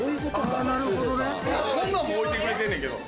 あなるほどね。こんなんも置いてくれてんねんけど。